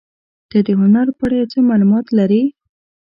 ته د هنر په اړه یو څه معلومات لرې؟